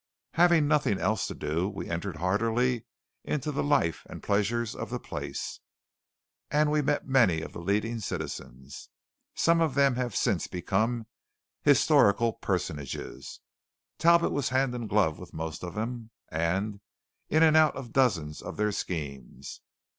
Having nothing else to do, we entered heartily into the life and pleasures of the place, and we met many of the leading citizens. Some of them have since become historical personages. Talbot was hand in glove with most of them, and in and out of dozens of their schemes.